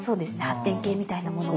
発展系みたいなものを。